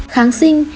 ba kháng sinh